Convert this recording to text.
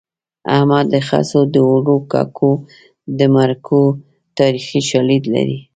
احمد د خسو د اوړو ککو د مرکو تاریخي شالید لري